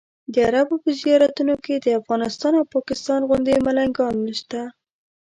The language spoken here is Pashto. د عربو په زیارتونو کې د افغانستان او پاکستان غوندې ملنګان نشته.